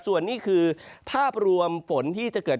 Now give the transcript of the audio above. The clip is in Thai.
ส่วนนี้คือภาพรวมฝนที่จะเกิด